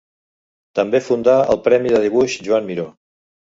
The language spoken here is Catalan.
També fundà el Premi de Dibuix Joan Miró.